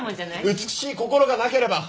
美しい心がなければ！